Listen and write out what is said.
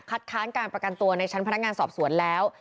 ค้านการประกันตัวในชั้นพนักงานสอบสวนแล้ว